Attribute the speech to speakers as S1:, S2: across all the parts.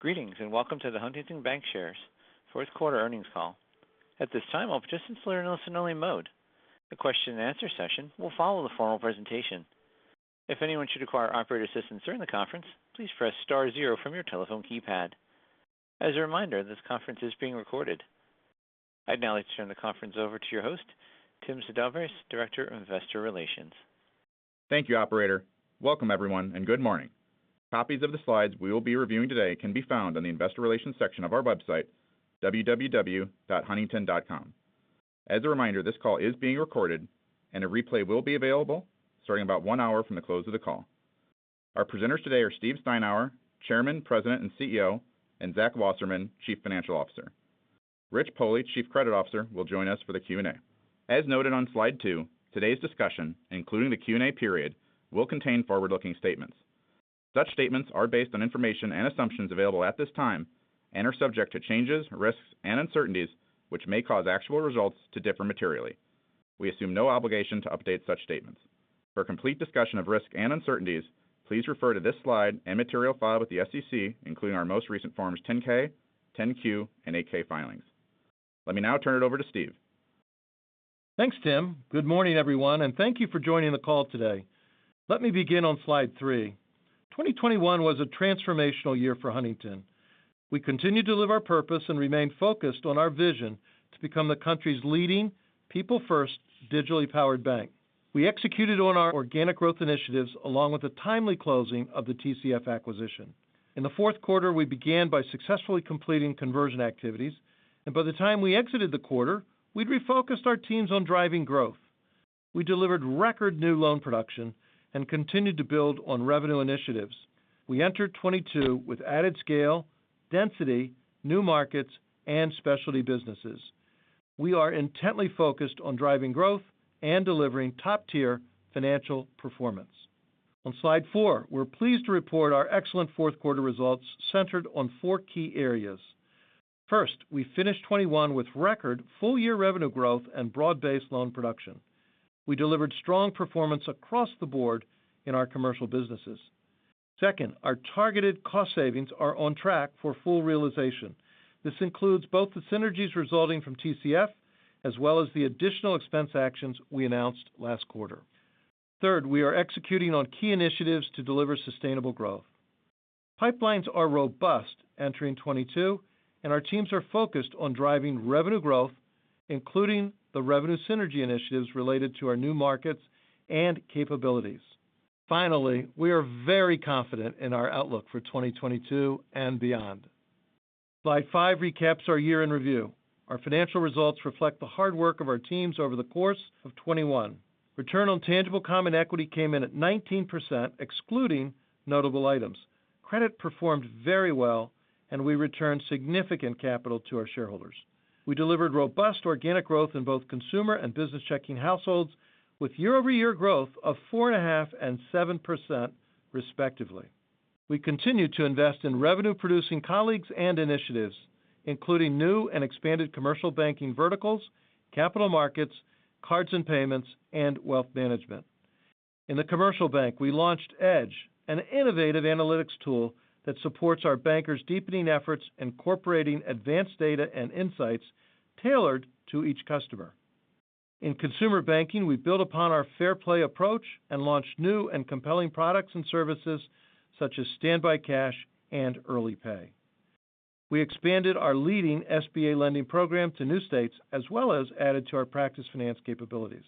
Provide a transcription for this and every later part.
S1: Greetings, and welcome to the Huntington Bancshares fourth quarter earnings call. At this time, all participants are in listen-only mode. The question and answer session will follow the formal presentation. If anyone should require operator assistance during the conference, please press star zero from your telephone keypad. As a reminder, this conference is being recorded. I'd now like to turn the conference over to your host, Tim Sedabres, Director of Investor Relations.
S2: Thank you, operator. Welcome, everyone, and good morning. Copies of the slides we will be reviewing today can be found on the investor relations section of our website, www.huntington.com. As a reminder, this call is being recorded and a replay will be available starting about one hour from the close of the call. Our presenters today are Steve Steinour, Chairman, President, and CEO, and Zach Wasserman, Chief Financial Officer. Rich Pohle, Chief Credit Officer, will join us for the Q&A. As noted on slide two, today's discussion, including the Q&A period, will contain forward-looking statements. Such statements are based on information and assumptions available at this time and are subject to changes, risks, and uncertainties which may cause actual results to differ materially. We assume no obligation to update such statements. For a complete discussion of risks and uncertainties, please refer to this slide and material filed with the SEC, including our most recent Forms 10-K, 10-Q, and 8-K filings. Let me now turn it over to Steve.
S3: Thanks, Tim. Good morning, everyone, and thank you for joining the call today. Let me begin on slide three. 2021 was a transformational year for Huntington. We continued to live our purpose and remained focused on our vision to become the country's leading people first digitally powered bank. We executed on our organic growth initiatives along with the timely closing of the TCF acquisition. In the fourth quarter, we began by successfully completing conversion activities, and by the time we exited the quarter, we'd refocused our teams on driving growth. We delivered record new loan production and continued to build on revenue initiatives. We entered 2022 with added scale, density, new markets, and specialty businesses. We are intently focused on driving growth and delivering top-tier financial performance. On slide four, we're pleased to report our excellent fourth quarter results centered on four key areas. First, we finished 2021 with record full-year revenue growth and broad-based loan production. We delivered strong performance across the board in our commercial businesses. Second, our targeted cost savings are on track for full realization. This includes both the synergies resulting from TCF, as well as the additional expense actions we announced last quarter. Third, we are executing on key initiatives to deliver sustainable growth. Pipelines are robust entering 2022, and our teams are focused on driving revenue growth, including the revenue synergy initiatives related to our new markets and capabilities. Finally, we are very confident in our outlook for 2022 and beyond. Slide five recaps our year in review. Our financial results reflect the hard work of our teams over the course of 2021. Return on tangible common equity came in at 19%, excluding notable items. Credit performed very well, and we returned significant capital to our shareholders. We delivered robust organic growth in both consumer and business checking households with year-over-year growth of 4.5% and 7%, respectively. We continued to invest in revenue-producing colleagues and initiatives, including new and expanded commercial banking verticals, capital markets, cards and payments, and wealth management. In the commercial bank, we launched Edge, an innovative analytics tool that supports our bankers' deepening efforts, incorporating advanced data and insights tailored to each customer. In consumer banking, we built upon our Fair Play approach and launched new and compelling products and services such as Standby Cash and Early Pay. We expanded our leading SBA lending program to new states, as well as added to our practice finance capabilities.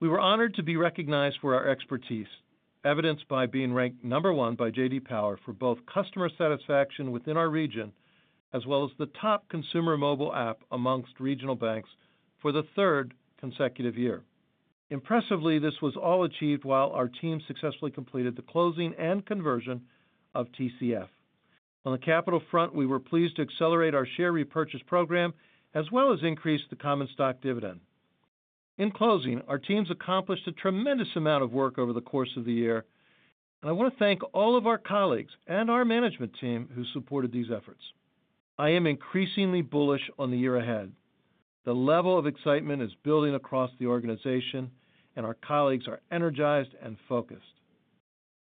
S3: We were honored to be recognized for our expertise, evidenced by being ranked number one by J.D. Power. Power for both customer satisfaction within our region, as well as the top consumer mobile app amongst regional banks for the third consecutive year. Impressively, this was all achieved while our team successfully completed the closing and conversion of TCF. On the capital front, we were pleased to accelerate our share repurchase program, as well as increase the common stock dividend. In closing, our teams accomplished a tremendous amount of work over the course of the year, and I want to thank all of our colleagues and our management team who supported these efforts. I am increasingly bullish on the year ahead. The level of excitement is building across the organization, and our colleagues are energized and focused.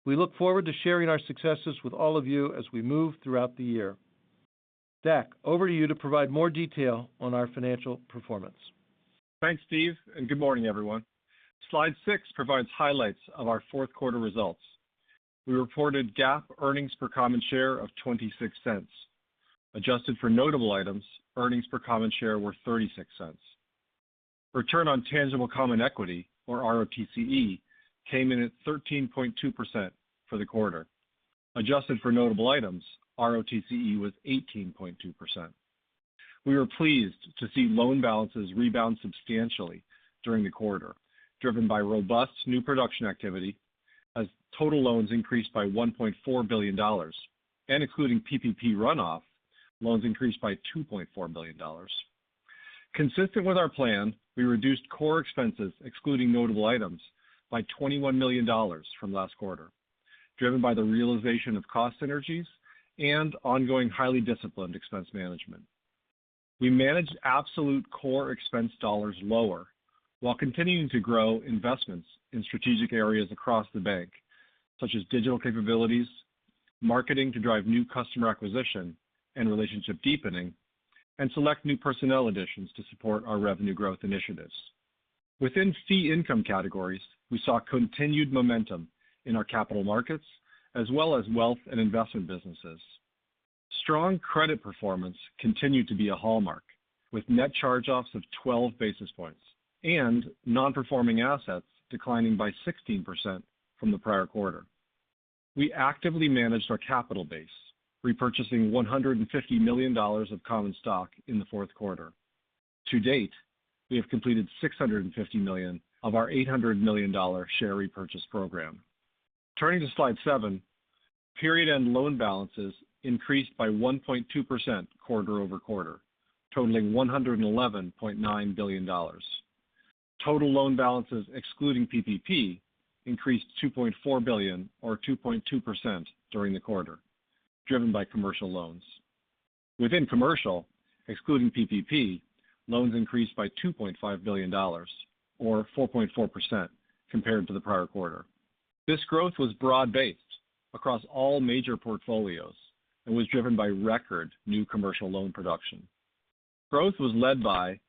S3: We look forward to sharing our successes with all of you as we move throughout the year. Zach, over to you to provide more detail on our financial performance.
S4: Thanks, Steve, and good morning, everyone. Slide six provides highlights of our fourth quarter results. We reported GAAP earnings per common share of $0.26. Adjusted for notable items, earnings per common share were $0.36. Return on tangible common equity, or ROTCE, came in at 13.2% for the quarter. Adjusted for notable items, ROTCE was 18.2%. We were pleased to see loan balances rebound substantially during the quarter, driven by robust new production activity as total loans increased by $1.4 billion. Including PPP runoff, loans increased by $2.4 billion. Consistent with our plan, we reduced core expenses, excluding notable items, by $21 million from last quarter, driven by the realization of cost synergies and ongoing highly disciplined expense management. We managed absolute core expense dollars lower while continuing to grow investments in strategic areas across the bank, such as digital capabilities, marketing to drive new customer acquisition and relationship deepening, and select new personnel additions to support our revenue growth initiatives. Within fee income categories, we saw continued momentum in our capital markets as well as wealth and investment businesses. Strong credit performance continued to be a hallmark, with net charge-offs of 12 basis points and non-performing assets declining by 16% from the prior quarter. We actively managed our capital base, repurchasing $150 million of common stock in the fourth quarter. To date, we have completed $650 million of our $800 million share repurchase program. Turning to slide seven. Period-end loan balances increased by 1.2% quarter-over-quarter, totaling $111.9 billion. Total loan balances excluding PPP increased $2.4 billion or 2.2% during the quarter, driven by commercial loans. Within commercial, excluding PPP, loans increased by $2.5 billion or 4.4% compared to the prior quarter. This growth was broad-based across all major portfolios and was driven by record new commercial loan production. Growth was led by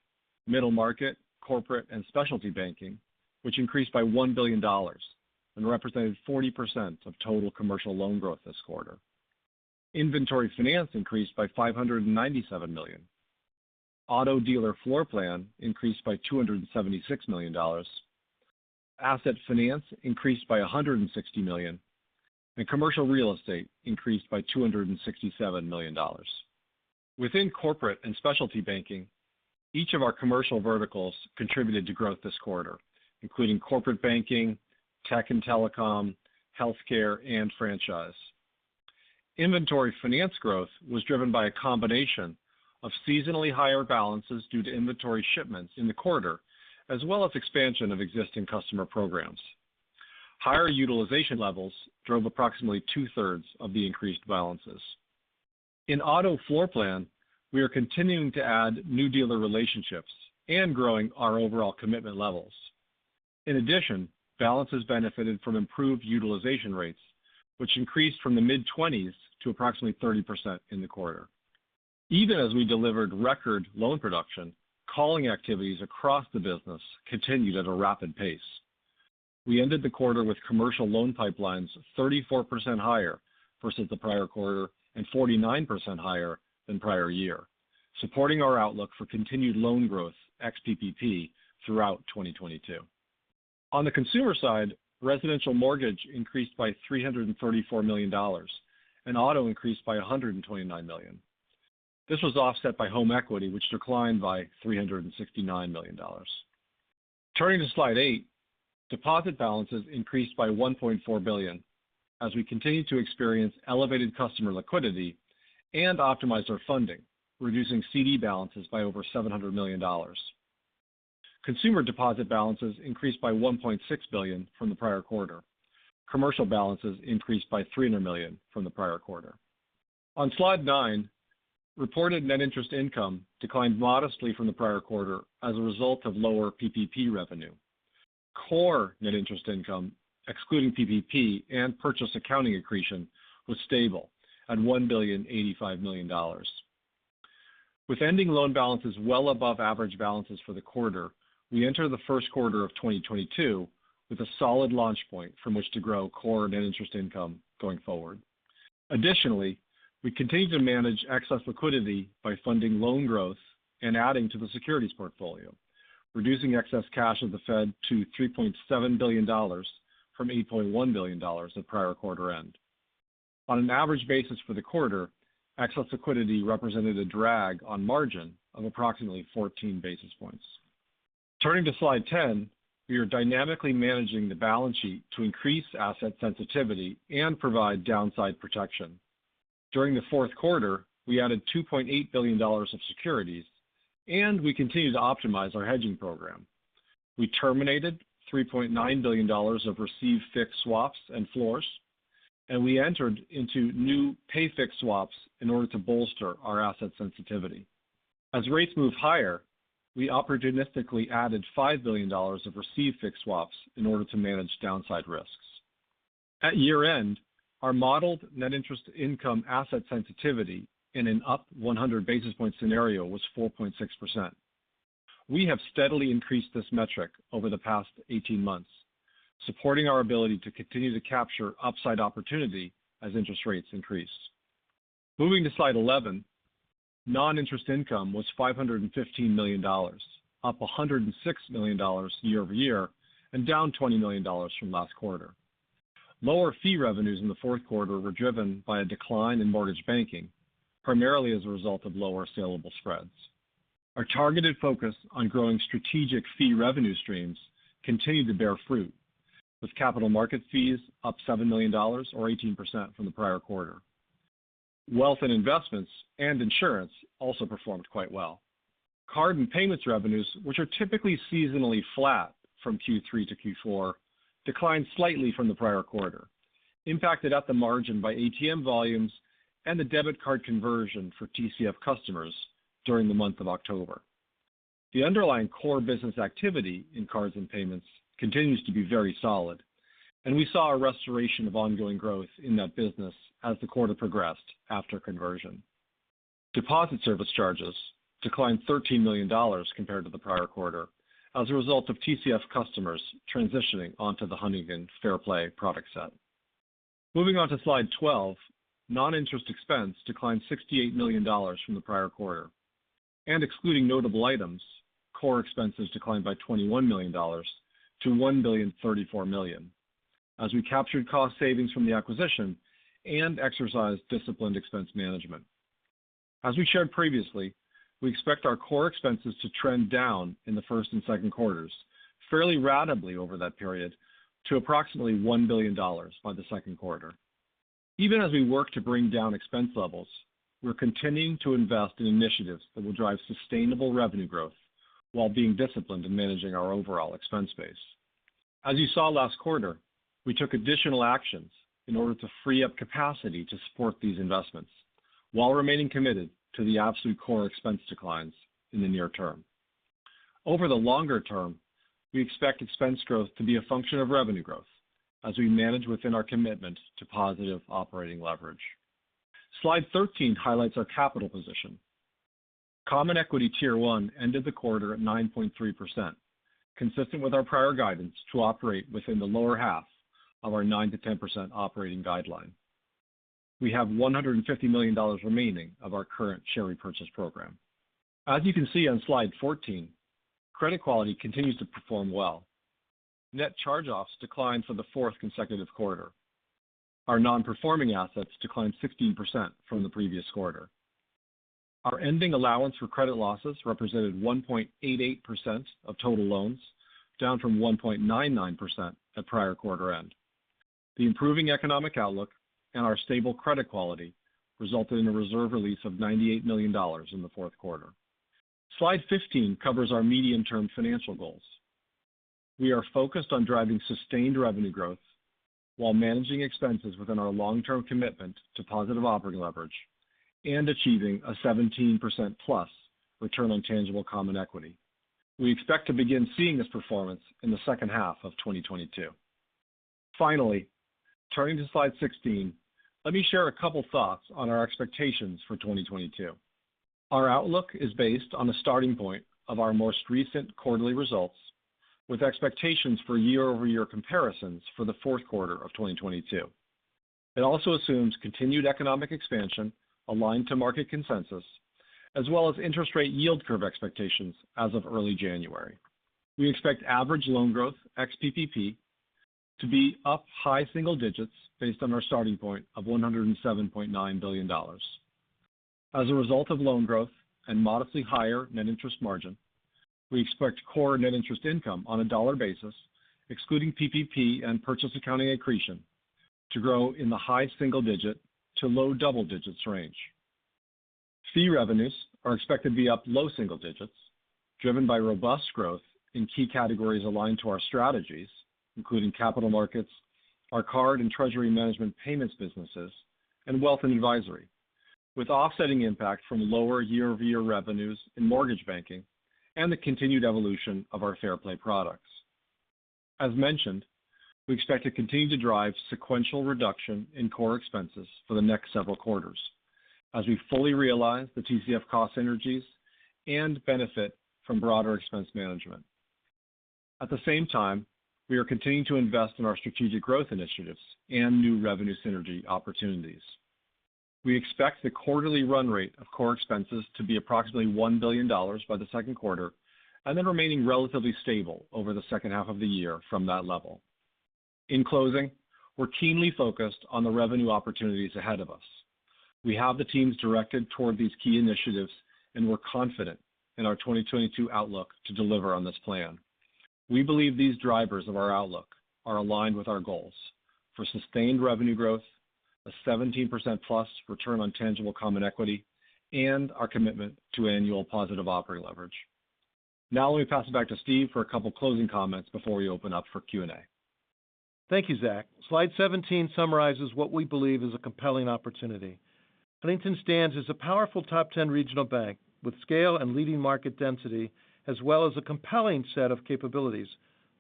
S4: middle market, corporate and specialty banking, which increased by $1 billion and represented 40% of total commercial loan growth this quarter. Inventory finance increased by $597 million. Auto dealer floor plan increased by $276 million. Asset finance increased by $160 million, and commercial real estate increased by $267 million. Within corporate and specialty banking, each of our commercial verticals contributed to growth this quarter, including corporate banking, tech and telecom, healthcare, and franchise. Inventory finance growth was driven by a combination of seasonally higher balances due to inventory shipments in the quarter, as well as expansion of existing customer programs. Higher utilization levels drove approximately two-thirds of the increased balances. In auto floor plan, we are continuing to add new dealer relationships and growing our overall commitment levels. In addition, balances benefited from improved utilization rates, which increased from the mid-20s to approximately 30% in the quarter. Even as we delivered record loan production, calling activities across the business continued at a rapid pace. We ended the quarter with commercial loan pipelines 34% higher versus the prior quarter and 49% higher than prior year, supporting our outlook for continued loan growth ex PPP throughout 2022. On the consumer side, residential mortgage increased by $334 million, and auto increased by $129 million. This was offset by home equity, which declined by $369 million. Turning to slide eight. Deposit balances increased by $1.4 billion as we continue to experience elevated customer liquidity and optimize our funding, reducing CD balances by over $700 million. Consumer deposit balances increased by $1.6 billion from the prior quarter. Commercial balances increased by $300 million from the prior quarter. On slide nine, reported net interest income declined modestly from the prior quarter as a result of lower PPP revenue. Core net interest income, excluding PPP and purchase accounting accretion, was stable at $1.085 billion. With ending loan balances well above average balances for the quarter, we enter the first quarter of 2022 with a solid launch point from which to grow core net interest income going forward. Additionally, we continue to manage excess liquidity by funding loan growth and adding to the securities portfolio, reducing excess cash at the Fed to $3.7 billion from $8.1 billion at prior quarter end. On an average basis for the quarter, excess liquidity represented a drag on margin of approximately 14 basis points. Turning to slide 10. We are dynamically managing the balance sheet to increase asset sensitivity and provide downside protection. During the fourth quarter, we added $2.8 billion of securities, and we continue to optimize our hedging program. We terminated $3.9 billion of received fixed swaps and floors, and we entered into new pay fixed swaps in order to bolster our asset sensitivity. As rates move higher, we opportunistically added $5 billion of received fixed swaps in order to manage downside risks. At year-end, our modeled net interest income asset sensitivity in an up 100 basis point scenario was 4.6%. We have steadily increased this metric over the past 18 months, supporting our ability to continue to capture upside opportunity as interest rates increase. Moving to slide 11. Non-interest income was $515 million, up $106 million year over year and down $20 million from last quarter. Lower fee revenues in the fourth quarter were driven by a decline in mortgage banking, primarily as a result of lower salable spreads. Our targeted focus on growing strategic fee revenue streams continued to bear fruit, with capital market fees up $7 million or 18% from the prior quarter. Wealth and investments and insurance also performed quite well. Card and payments revenues, which are typically seasonally flat from Q3 to Q4, declined slightly from the prior quarter, impacted at the margin by ATM volumes and the debit card conversion for TCF customers during the month of October. The underlying core business activity in cards and payments continues to be very solid, and we saw a restoration of ongoing growth in that business as the quarter progressed after conversion. Deposit service charges declined $13 million compared to the prior quarter as a result of TCF customers transitioning onto the Huntington Fair Play product set. Moving on to slide 12. Non-interest expense declined $68 million from the prior quarter. Excluding notable items, core expenses declined by $21 million to $1.034 billion. As we captured cost savings from the acquisition and exercised disciplined expense management. As we shared previously, we expect our core expenses to trend down in the first and second quarters fairly ratably over that period to approximately $1 billion by the second quarter. Even as we work to bring down expense levels, we're continuing to invest in initiatives that will drive sustainable revenue growth while being disciplined in managing our overall expense base. As you saw last quarter, we took additional actions in order to free up capacity to support these investments while remaining committed to the absolute core expense declines in the near term. Over the longer term, we expect expense growth to be a function of revenue growth as we manage within our commitment to positive operating leverage. Slide 13 highlights our capital position. Common equity tier one ended the quarter at 9.3%, consistent with our prior guidance to operate within the lower half of our 9%-10% operating guideline. We have $150 million remaining of our current share repurchase program. As you can see on slide 14, credit quality continues to perform well. Net charge-offs declined for the fourth consecutive quarter. Our non-performing assets declined 16% from the previous quarter. Our ending allowance for credit losses represented 1.88% of total loans, down from 1.99% at prior quarter end. The improving economic outlook and our stable credit quality resulted in a reserve release of $98 million in the fourth quarter. Slide 15 covers our medium-term financial goals. We are focused on driving sustained revenue growth while managing expenses within our long-term commitment to positive operating leverage and achieving a 17%+ return on tangible common equity. We expect to begin seeing this performance in the second half of 2022. Finally, turning to slide 16, let me share a couple thoughts on our expectations for 2022. Our outlook is based on the starting point of our most recent quarterly results, with expectations for year-over-year comparisons for the fourth quarter of 2022. It also assumes continued economic expansion aligned to market consensus as well as interest rate yield curve expectations as of early January. We expect average loan growth ex-PPP to be up high single digits based on our starting point of $107.9 billion. As a result of loan growth and modestly higher net interest margin, we expect core net interest income on a dollar basis, excluding PPP and purchase accounting accretion, to grow in the high single digit to low double digits range. Fee revenues are expected to be up low single digits, driven by robust growth in key categories aligned to our strategies, including capital markets, our card and treasury management payments businesses, and wealth and advisory, with offsetting impact from lower year-over-year revenues in mortgage banking and the continued evolution of our Fair Play products. We expect to continue to drive sequential reduction in core expenses for the next several quarters as we fully realize the TCF cost synergies and benefit from broader expense management. At the same time, we are continuing to invest in our strategic growth initiatives and new revenue synergy opportunities. We expect the quarterly run rate of core expenses to be approximately $1 billion by the second quarter, and then remaining relatively stable over the second half of the year from that level. In closing, we're keenly focused on the revenue opportunities ahead of us. We have the teams directed toward these key initiatives, and we're confident in our 2022 outlook to deliver on this plan. We believe these drivers of our outlook are aligned with our goals for sustained revenue growth, a 17%+ return on tangible common equity, and our commitment to annual positive operating leverage. Now let me pass it back to Steve for a couple closing comments before we open up for Q and A.
S3: Thank you, Zach. Slide 17 summarizes what we believe is a compelling opportunity. Huntington stands as a powerful top 10 regional bank with scale and leading market density, as well as a compelling set of capabilities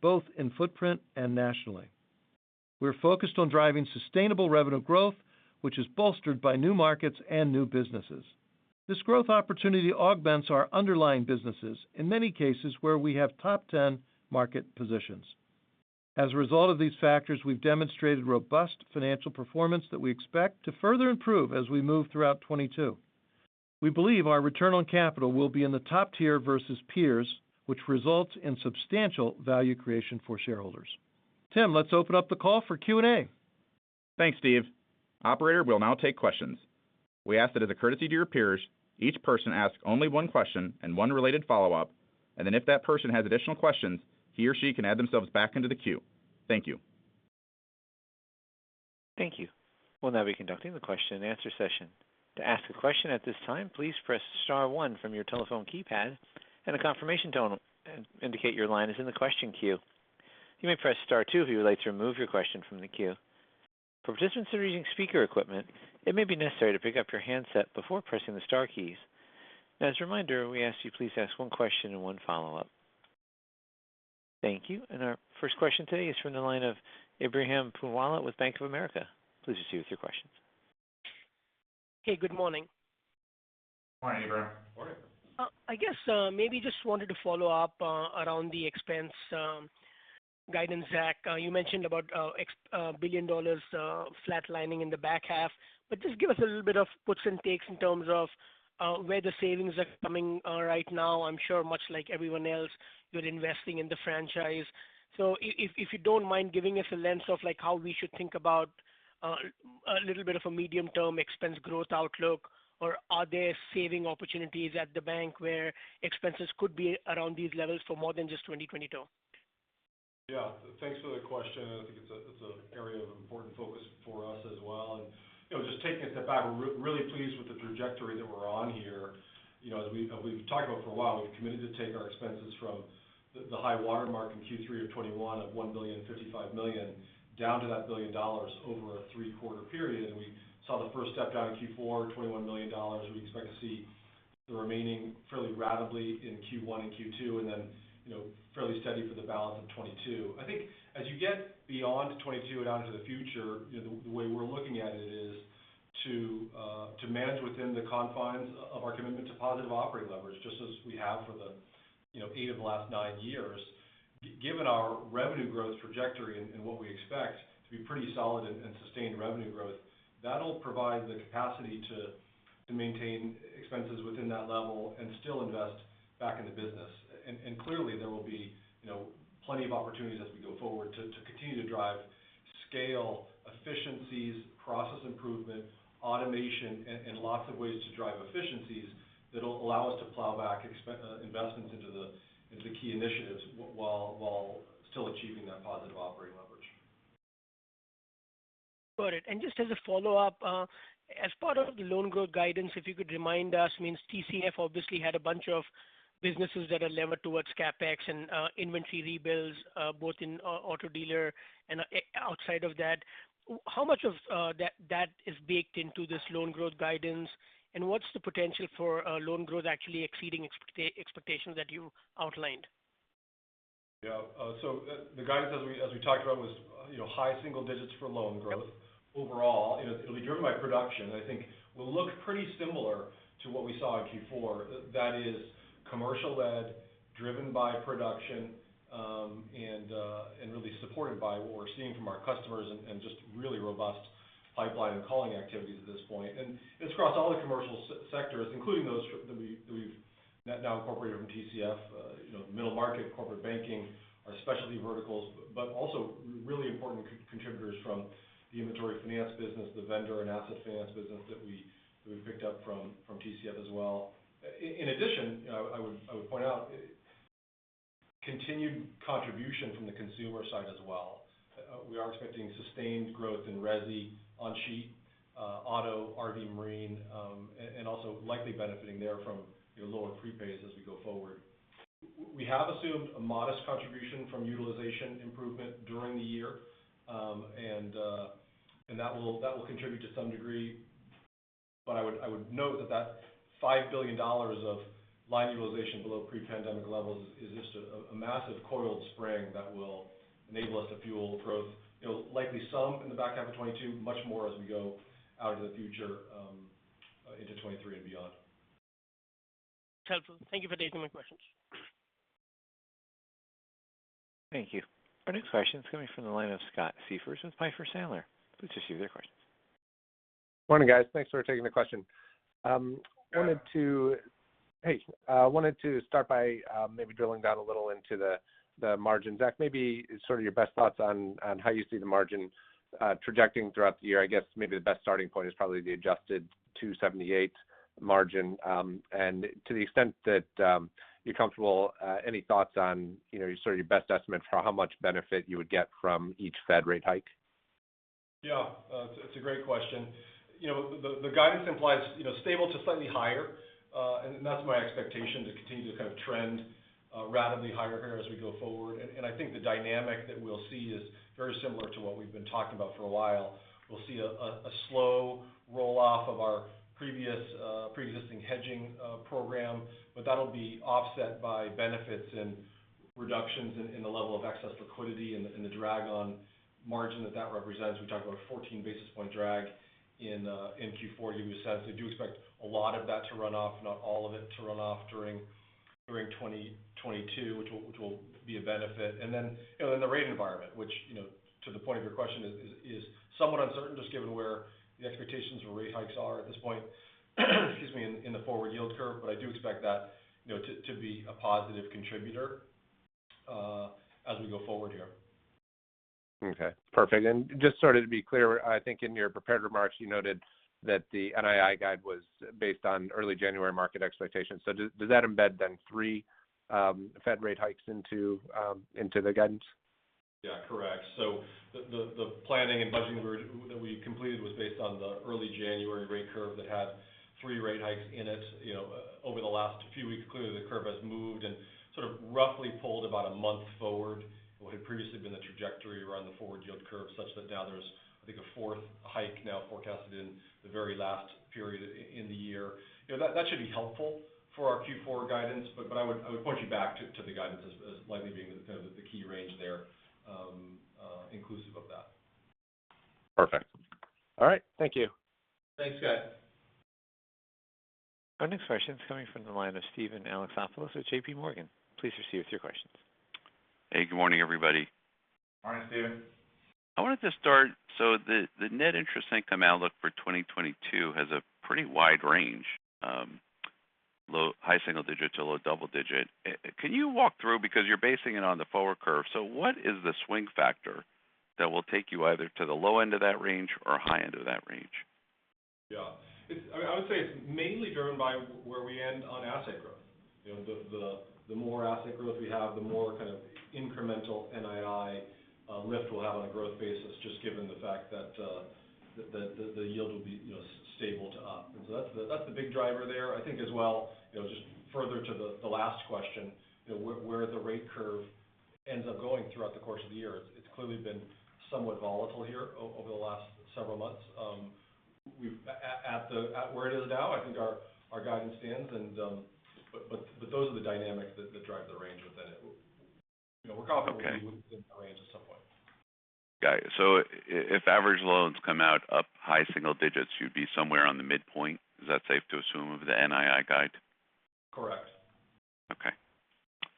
S3: both in footprint and nationally. We're focused on driving sustainable revenue growth, which is bolstered by new markets and new businesses. This growth opportunity augments our underlying businesses in many cases where we have top 10 market positions. As a result of these factors, we've demonstrated robust financial performance that we expect to further improve as we move throughout 2022. We believe our return on capital will be in the top tier versus peers, which results in substantial value creation for shareholders. Tim, let's open up the call for Q and A.
S4: Thanks, Steve. Operator, we'll now take questions. We ask that as a courtesy to your peers, each person ask only one question and one related follow-up, and then if that person has additional questions, he or she can add themselves back into the queue. Thank you.
S1: Thank you. We'll now be conducting the question and answer session. To ask a question at this time, please press star one from your telephone keypad, and a confirmation tone will indicate your line is in the question queue. You may press star two if you would like to remove your question from the queue. For participants that are using speaker equipment, it may be necessary to pick up your handset before pressing the star keys. As a reminder, we ask you please ask one question and one follow-up. Thank you. Our first question today is from the line of Ebrahim Poonawala with Bank of America. Please proceed with your questions.
S5: Hey, good morning.
S4: Morning, Ebrahim Poonawala.
S3: Morning.
S5: I guess, maybe just wanted to follow up around the expense guidance, Zach. You mentioned about $1 billion flat lining in the back half, but just give us a little bit of puts and takes in terms of where the savings are coming right now. I'm sure much like everyone else, you're investing in the franchise. So if you don't mind giving us a lens of, like, how we should think about a little bit of a medium term expense growth outlook, or are there saving opportunities at the bank where expenses could be around these levels for more than just 2022?
S4: Yeah. Thanks for the question. I think it's an area of important focus for us as well. You know, just taking a step back, we're really pleased with the trajectory that we're on here. You know, we've talked about for a while, we've committed to take our expenses from the high water mark in Q3 of 2021 of $1.055 billion, down to $1 billion over a three-quarter period. We saw the first step down in Q4 2021 $21 million. We expect to see the remaining fairly ratably in Q1 and Q2, and then, you know, fairly steady for the balance of 2022. I think as you get beyond 22 and out into the future, you know, the way we're looking at it is to manage within the confines of our commitment to positive operating leverage, just as we have for the you know 8 of the last 9 years. Given our revenue growth trajectory and what we expect to be pretty solid and sustained revenue growth, that'll provide the capacity to maintain expenses within that level and still invest back in the business. Clearly there will be, you know, plenty of opportunities as we go forward to continue to drive scale, efficiencies, process improvement, automation, and lots of ways to drive efficiencies that'll allow us to plow back investments into the key initiatives while still achieving that positive operating leverage.
S5: Got it. Just as a follow-up, as part of the loan growth guidance, if you could remind us, I mean TCF obviously had a bunch of businesses that are levered towards CapEx and, inventory rebuilds, both in auto dealer and, outside of that. How much of that is baked into this loan growth guidance, and what's the potential for loan growth actually exceeding expectations that you outlined?
S4: Yeah. So the guidance as we talked about was, you know, high single digits for loan growth overall. You know, it'll be driven by production. I think we'll look pretty similar to what we saw in Q4. That is commercial led, driven by production, and really supported by what we're seeing from our customers and just really robust pipeline and calling activities at this point. It's across all the commercial sectors, including those that we've now incorporated from TCF. You know, middle market corporate banking, our specialty verticals, but also really important contributors from the inventory finance business, the vendor and asset finance business that we've picked up from TCF as well. In addition, you know, I would point out continued contribution from the consumer side as well. We are expecting sustained growth in resi, on sheet, auto, RV/marine, and also likely benefiting therefrom, you know, lower prepays as we go forward. We have assumed a modest contribution from utilization improvement during the year. And that will contribute to some degree. I would note that $5 billion of line utilization below pre-pandemic levels is just a massive coiled spring that will enable us to fuel growth, you know, likely some in the back half of 2022, much more as we go out into the future, into 2023 and beyond.
S5: That's helpful. Thank you for taking my questions.
S1: Thank you. Our next question is coming from the line of Scott Siefers with Piper Sandler. Please proceed with your questions.
S6: Morning, guys. Thanks for taking the question. Wanted to start by maybe drilling down a little into the margins. Zach, maybe sort of your best thoughts on how you see the margin projecting throughout the year. I guess maybe the best starting point is probably the adjusted 2.78% margin. To the extent that you're comfortable, any thoughts on, you know, sort of your best estimate for how much benefit you would get from each Fed rate hike?
S4: Yeah. It's a great question. You know, the guidance implies, you know, stable to slightly higher. And that's my expectation to continue to kind of trend ratably higher here as we go forward. I think the dynamic that we'll see is very similar to what we've been talking about for a while. We'll see a slow roll off of our previous preexisting hedging program, but that'll be offset by benefits and reductions in the level of excess liquidity and the drag on margin that that represents. We talked about a 14 basis point drag in Q4. You said they do expect a lot of that to run off, not all of it to run off during 2022, which will be a benefit. In the rate environment, which, you know, to the point of your question is somewhat uncertain just given where the expectations for rate hikes are at this point, excuse me, in the forward yield curve. I do expect that, you know, to be a positive contributor, as we go forward here.
S6: Okay. Perfect. Just sort of to be clear, I think in your prepared remarks you noted that the NII guide was based on early January market expectations. Does that embed then 3 Fed rate hikes into the guidance?
S4: Yeah, correct. The planning and budgeting that we completed was based on the early January rate curve that had three rate hikes in it. You know, over the last few weeks, clearly the curve has moved and sort of roughly pulled about a month forward what had previously been the trajectory around the forward yield curve such that now there's, I think, a fourth hike now forecasted in the very last period in the year. You know, that should be helpful for our Q4 guidance. I would point you back to the guidance as likely being the kind of the key range there, inclusive of that.
S7: Perfect. All right. Thank you.
S4: Thanks, Scott.
S1: Our next question is coming from the line of Steven Alexopoulos with JP Morgan. Please proceed with your questions.
S7: Hey, good morning, everybody.
S4: Morning, Steven.
S7: I wanted to start. The net interest income outlook for 2022 has a pretty wide range, high single digits% to low double digits%. Can you walk through because you're basing it on the forward curve? What is the swing factor that will take you either to the low end of that range or high end of that range?
S4: I mean, I would say it's mainly driven by where we end on asset growth. You know, the more asset growth we have, the more kind of incremental NII lift we'll have on a growth basis, just given the fact that the yield will be, you know, stable to up. That's the big driver there. I think as well, you know, just further to the last question, you know, where the rate curve ends up going throughout the course of the year. It's clearly been somewhat volatile here over the last several months. We're at where it is now, I think our guidance stands. Those are the dynamics that drive the range within it. You know, we're comfortable-
S7: Okay.
S4: Within that range at some point.
S7: Got it. If average loans come out up high single digits, you'd be somewhere on the midpoint. Is that safe to assume of the NII guide?
S4: Correct.
S7: Okay.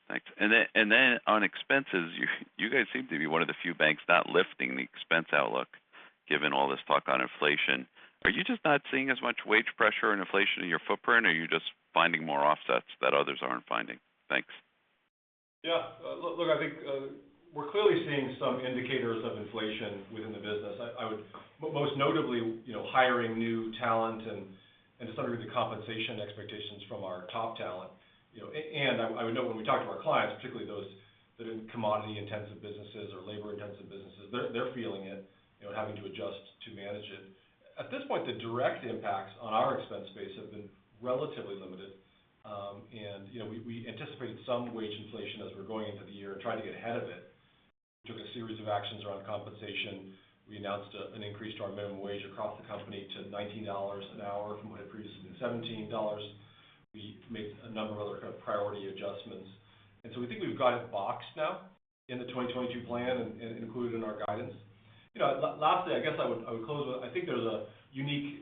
S7: Thanks. On expenses, you guys seem to be one of the few banks not lifting the expense outlook given all this talk on inflation. Are you just not seeing as much wage pressure and inflation in your footprint, or are you just finding more offsets that others aren't finding? Thanks.
S4: Yeah. Look, I think we're clearly seeing some indicators of inflation within the business. I would most notably, you know, hiring new talent and just under the compensation expectations from our top talent, you know. I would know when we talk to our clients, particularly those that are in commodity-intensive businesses or labor-intensive businesses, they're feeling it, you know, having to adjust to manage it. At this point, the direct impacts on our expense base have been relatively limited. You know, we anticipated some wage inflation as we're going into the year and trying to get ahead of it, took a series of actions around compensation. We announced an increase to our minimum wage across the company to $19 an hour from what had previously been $17. We made a number of other kind of priority adjustments. We think we've got it boxed now in the 2022 plan and included in our guidance. You know, lastly, I guess I would close with, I think there's a unique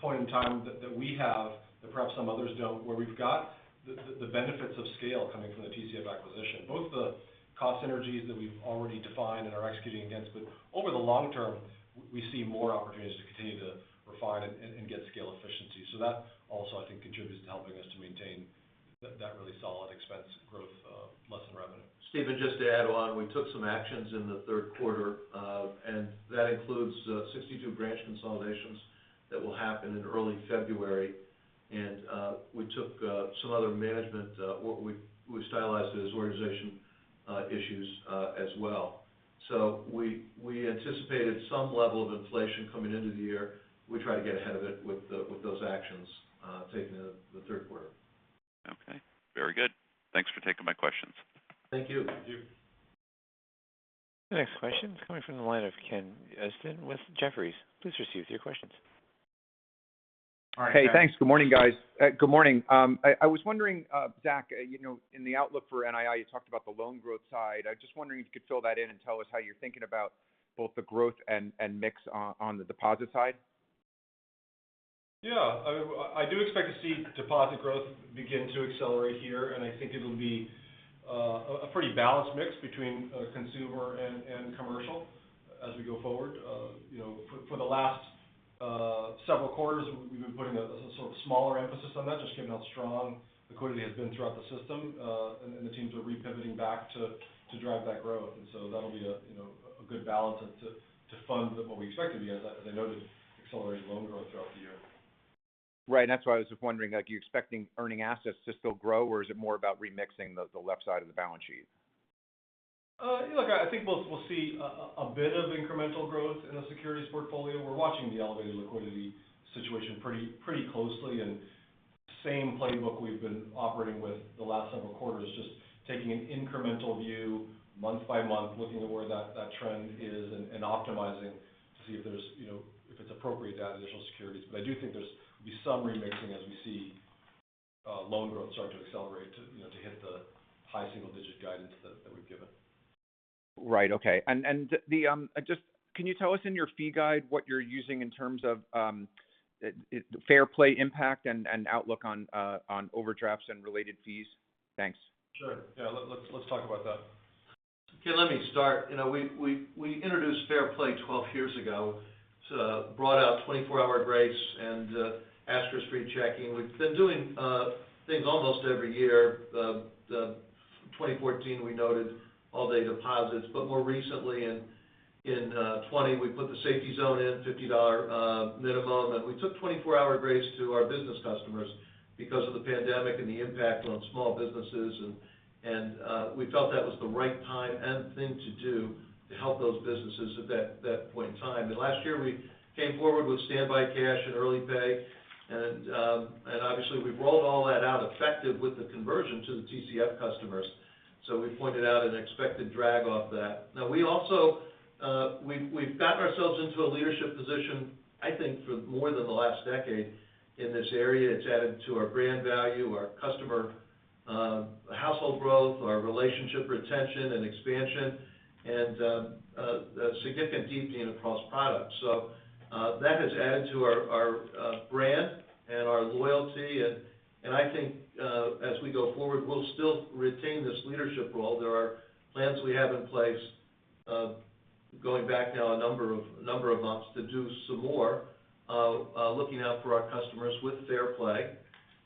S4: point in time that we have that perhaps some others don't, where we've got the benefits of scale coming from the TCF acquisition. Both the cost synergies that we've already defined and are executing against, but over the long term, we see more opportunities to continue to refine and get scale efficiency. That also, I think, contributes to helping us to maintain that really solid expense growth less than revenue.
S3: Steven, just to add on, we took some actions in the third quarter, and that includes 62 branch consolidations that will happen in early February. We took some other management, what we stylized as organization issues, as well. We anticipated some level of inflation coming into the year. We tried to get ahead of it with those actions taken in the third quarter.
S7: Okay, very good. Thanks for taking my questions.
S3: Thank you.
S4: Thank you.
S1: The next question is coming from the line of Ken Usdin with Jefferies. Please go ahead with your question.
S4: All right, Ken.
S8: Hey, thanks. Good morning, guys. Good morning. I was wondering, Zach, you know, in the outlook for NII, you talked about the loan growth side. I'm just wondering if you could fill that in and tell us how you're thinking about both the growth and mix on the deposit side.
S4: Yeah. I do expect to see deposit growth begin to accelerate here, and I think it'll be a pretty balanced mix between consumer and commercial as we go forward. You know, for the last several quarters, we've been putting a sort of smaller emphasis on that just given how strong liquidity has been throughout the system. The teams are repivoting back to drive that growth. That'll be a you know, a good balance to fund what we expect to be, as I noted, accelerated loan growth throughout the year.
S8: Right. That's why I was just wondering like, are you expecting earning assets to still grow, or is it more about remixing the left side of the balance sheet?
S4: Look, I think we'll see a bit of incremental growth in the securities portfolio. We're watching the elevated liquidity situation pretty closely. Same playbook we've been operating with the last several quarters, just taking an incremental view month by month, looking at where that trend is and optimizing to see if there's, you know, if it's appropriate to add additional securities. I do think there will be some remixing as we see loan growth start to accelerate to, you know, hit the high single-digit guidance that we've given.
S8: Right. Okay. Can you tell us in your fee guide what you're using in terms of Fair Play impact and outlook on overdrafts and related fees? Thanks.
S4: Sure. Yeah. Let's talk about that.
S3: Okay, let me start. You know, we introduced Fair Play 12 years ago, so brought out 24-hour grace and asterisk-free checking. We've been doing things almost every year. 2014, we noted all-day deposits, but more recently in 2020, we put the safety zone in, $50 minimum. We took 24-hour grace to our business customers because of the pandemic and the impact on small businesses. We felt that was the right time and thing to do to help those businesses at that point in time. Last year, we came forward with Standby Cash and Early Pay. Obviously, we've rolled all that out effective with the conversion to the TCF customers. We pointed out an expected drag off that. Now we also, we've gotten ourselves into a leadership position, I think for more than the last decade in this area. It's added to our brand value, our customer household growth, our relationship retention and expansion, and a significant deepening across products. That has added to our brand and our loyalty. I think as we go forward, we'll still retain this leadership role. There are plans we have in place going back now a number of months to do some more looking out for our customers with Fair Play.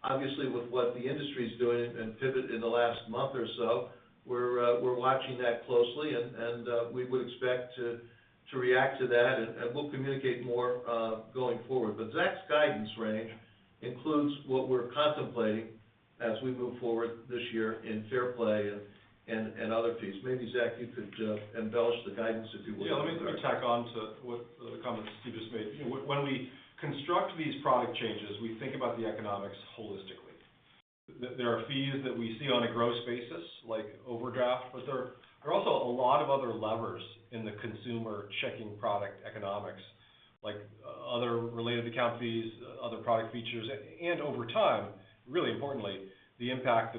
S3: Obviously, with what the industry's doing and pivot in the last month or so, we're watching that closely. We would expect to react to that. We'll communicate more going forward. Zach's guidance range includes what we're contemplating as we move forward this year in Fair Play and other fees. Maybe Zach, you could embellish the guidance if you would.
S4: Yeah. Let me tack on to what the comments Steve just made. You know, when we construct these product changes, we think about the economics holistically. There are fees that we see on a gross basis, like overdraft. There are also a lot of other levers in the consumer checking product economics, like other related account fees, other product features. Over time, really importantly, the impact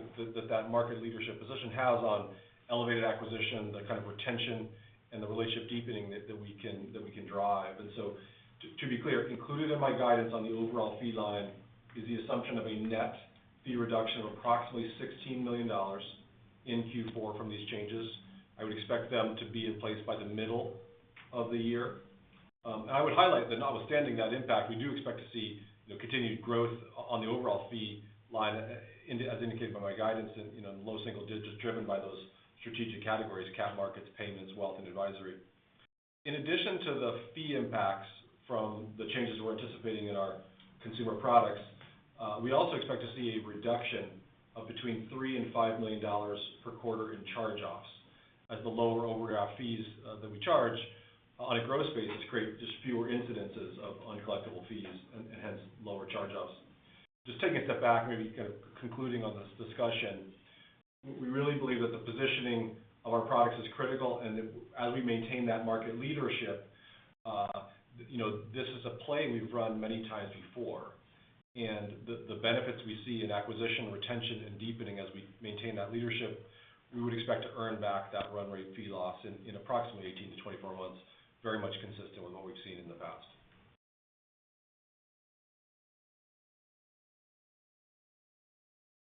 S4: that market leadership position has on elevated acquisition, the kind of retention and the relationship deepening that we can drive. To be clear, included in my guidance on the overall fee line is the assumption of a net fee reduction of approximately $16 million in Q4 from these changes. I would expect them to be in place by the middle of the year. I would highlight that notwithstanding that impact, we do expect to see the continued growth on the overall fee line, in as indicated by my guidance in, you know, in low single digits, driven by those strategic categories, account markets, payments, wealth, and advisory. In addition to the fee impacts from the changes we're anticipating in our consumer products, we also expect to see a reduction of between $3 million-$5 million per quarter in charge-offs as the lower overdraft fees that we charge on a gross basis create just fewer incidences of uncollectible fees and hence, lower charge-offs. Just taking a step back, maybe kind of concluding on this discussion, we really believe that the positioning of our products is critical, and that as we maintain that market leadership, you know, this is a play we've run many times before. The benefits we see in acquisition, retention, and deepening as we maintain that leadership, we would expect to earn back that run rate fee loss in approximately 18-24 months, very much consistent with what we've seen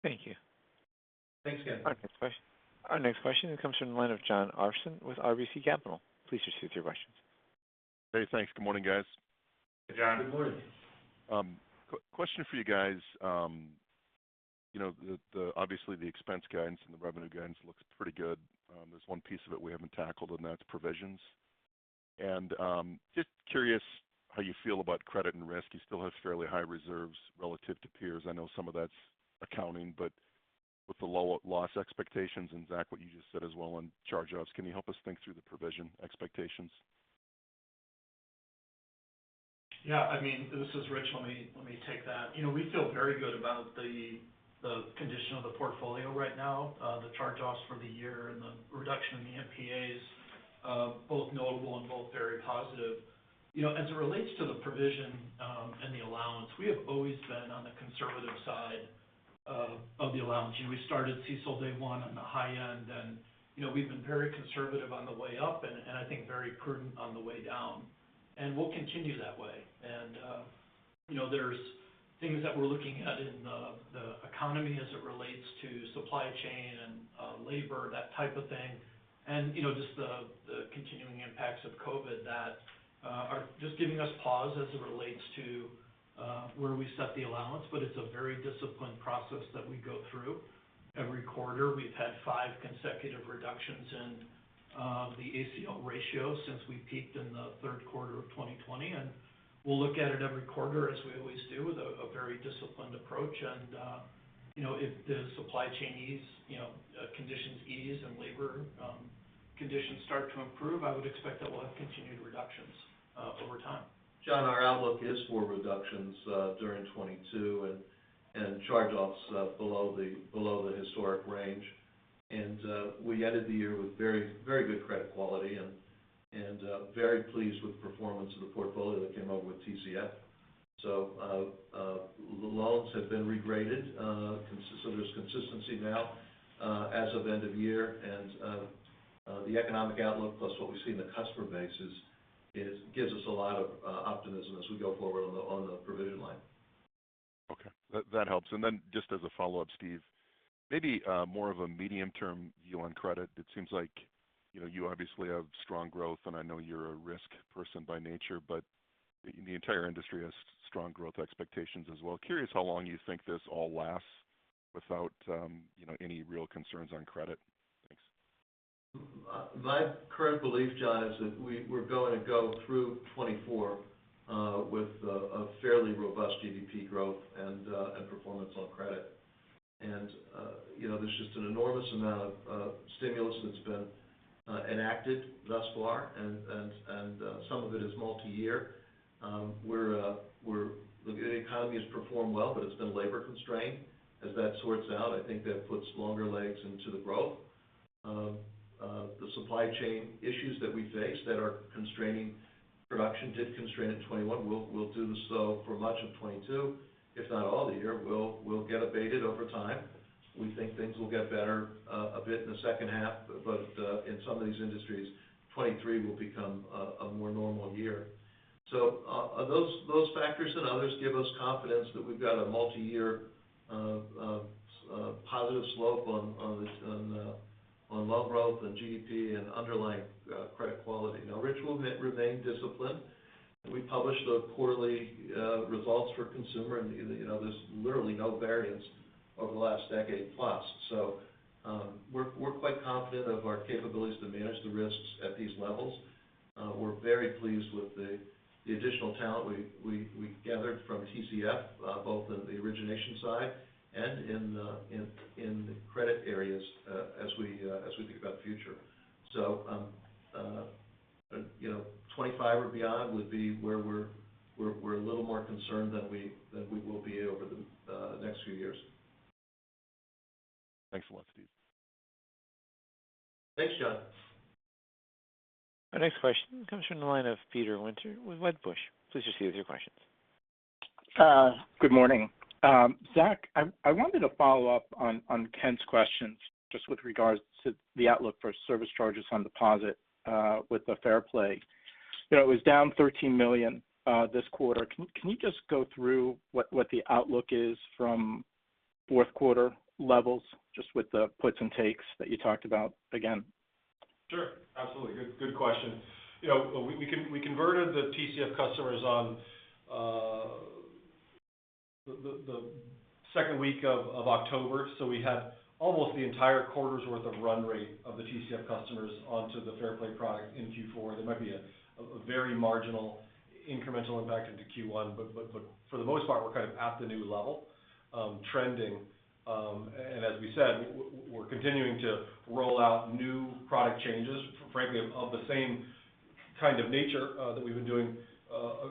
S4: in the past.
S1: Thank you.
S3: Thanks, Kevin.
S1: Our next question comes from the line of Jon Arfstrom with RBC Capital. Please proceed with your questions.
S9: Hey, thanks. Good morning, guys.
S3: Hey, Jon.
S4: Good morning.
S9: Question for you guys. You know, obviously, the expense guidance and the revenue guidance looks pretty good. There's one piece of it we haven't tackled, and that's provisions. Just curious how you feel about credit and risk. You still have fairly high reserves relative to peers. I know some of that's accounting, but with the low loss expectations, and Zach, what you just said as well on charge-offs, can you help us think through the provision expectations?
S10: Yeah. I mean, this is Rich. Let me take that. You know, we feel very good about the condition of the portfolio right now. The charge-offs for the year and the reduction in the MPAs, both notable and both very positive. You know, as it relates to the provision and the allowance, we have always been on the conservative side of the allowance. You know, we started CECL day one on the high end. You know, we've been very conservative on the way up and I think very prudent on the way down. We'll continue that way. You know, there's things that we're looking at in the economy as it relates to supply chain and labor, that type of thing. You know, just the continuing impacts of COVID that are just giving us pause as it relates to where we set the allowance. But it's a very disciplined process that we go through every quarter. We've had five consecutive reductions in the ACL ratio since we peaked in the third quarter of 2020. We'll look at it every quarter as we always do, with a very disciplined approach. You know, if the supply chain ease, you know, conditions ease and labor conditions start to improve, I would expect that we'll have continued reductions over time.
S3: John, our outlook is for reductions during 2022, and charge-offs below the historic range. We ended the year with very good credit quality, and very pleased with the performance of the portfolio that came over with TCF. Loans have been regraded, so there's consistency now as of end of year. The economic outlook plus what we see in the customer base gives us a lot of optimism as we go forward on the provision line.
S9: Okay. That helps. Just as a follow-up, Steve, maybe more of a medium-term view on credit. It seems like, you know, you obviously have strong growth, and I know you're a risk person by nature, but the entire industry has strong growth expectations as well. Curious how long you think this all lasts? Without you know any real concerns on credit. Thanks.
S3: My current belief, Jon, is that we're going to go through 2024 with a fairly robust GDP growth and some of it is multi-year. The economy has performed well, but it's been labor constrained. As that sorts out, I think that puts longer legs into the growth. The supply chain issues that we face that are constraining production did constrain in 2021 will do so for much of 2022, if not all the year. will get abated over time. We think things will get better a bit in the second half. In some of these industries, 2023 will become a more normal year. Those factors and others give us confidence that we've got a multi-year positive slope on loan growth and GDP and underlying credit quality. Now, Rich, we'll remain disciplined. We published the quarterly results for consumer and, you know, there's literally no variance over the last decade plus. We're quite confident of our capabilities to manage the risks at these levels. We're very pleased with the additional talent we gathered from TCF, both in the origination side and in the credit areas, as we think about the future. You know, 2025 or beyond would be where we're a little more concerned than we will be over the next few years.
S9: Thanks a lot, Steve.
S3: Thanks, Jon.
S1: Our next question comes from the line of Peter Winter with Wedbush. Please proceed with your questions.
S11: Good morning. Zach, I wanted to follow up on Ken's questions just with regards to the outlook for service charges on deposit with the Fair Play. You know, it was down $13 million this quarter. Can you just go through what the outlook is from fourth quarter levels just with the puts and takes that you talked about again?
S4: Sure. Absolutely. Good question. You know, we converted the TCF customers on the second week of October. So we had almost the entire quarter's worth of run rate of the TCF customers onto the Fair Play product in Q4. There might be a very marginal incremental impact into Q1, but for the most part, we're kind of at the new level, trending. As we said, we're continuing to roll out new product changes, frankly, of the same kind of nature that we've been doing